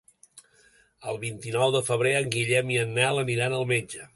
El vint-i-nou de febrer en Guillem i en Nel aniran al metge.